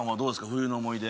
冬の思い出